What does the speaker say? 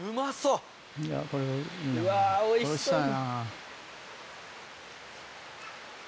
うわおいしそう。